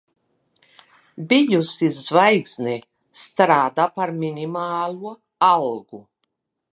Bijusī zvaigzne strādā par minimālo algu.